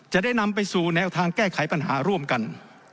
จะได้นำไปสู่แนวทางแก้ไขปัญหาร่วมกัน